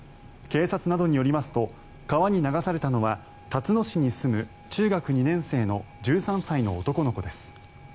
警察などによりますと川に流されたのはたつの市に住む中学２年生の１３歳の男の子です。